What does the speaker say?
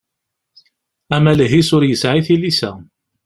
Amaleh-is ur yesɛi tilisa.